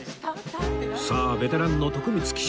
さあベテランの徳光騎手